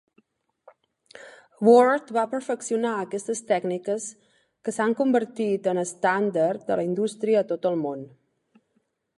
Ward va perfeccionar aquestes tècniques que s'han convertit en estàndard de la indústria a tot el món.